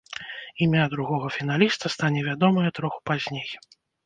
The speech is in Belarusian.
Імя другога фіналіста стане вядомае троху пазней.